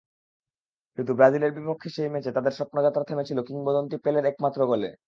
কিন্তু ব্রাজিলের বিপক্ষে সেই ম্যাচে তাদের স্বপ্নযাত্রা থেমেছিল কিংবদন্তি পেলের একমাত্র গোলে।